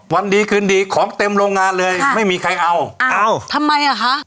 วันดีคืนดีของเต็มโรงงานเลยไม่มีใครเอาเอาทำไมอ่ะคะ